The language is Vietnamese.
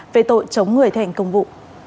về tội chống người thành công vụ